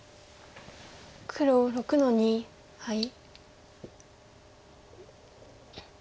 黒６の二ハイ。